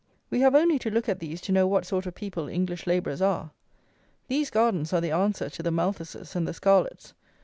We have only to look at these to know what sort of people English labourers are: these gardens are the answer to the Malthuses and the Scarletts.